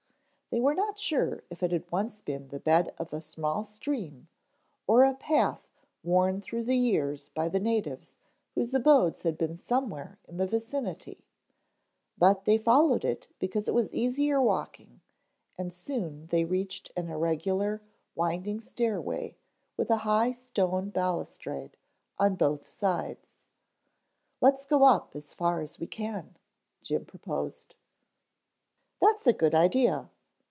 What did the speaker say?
They were not sure if it had once been the bed of a small stream or a path worn through the years by the natives whose abodes had been somewhere in the vicinity, but they followed it because it was easier walking and soon they reached an irregular, winding stairway with a high, stone balustrade on both sides. "Let's go up as far as we can," Jim proposed. "That's a good idea.